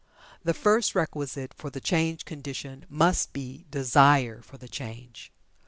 The first requisite for the changed condition must be "desire" for the change.